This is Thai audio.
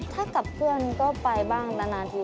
ถ้ากับเพื่อนก็ไปบ้างนานที